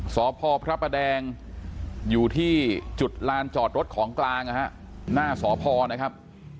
สอบพ่อพระแดงอยู่ที่จุดลานจอดรถของกลางห้ะหน้าสอบห้อนะครับ